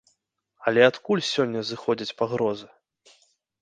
Але адкуль сёння зыходзяць пагрозы?